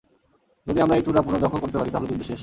যদি আমরা এই চূড়া পুনর্দখল করতে পারি তাহলে যুদ্ধ শেষ!